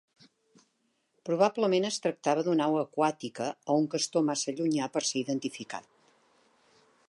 Probablement es tractava d'un au aquàtica o un castor massa llunyà per ser identificat.